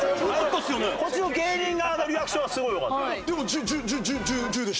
こっちの芸人側のリアクションはすごいよかった。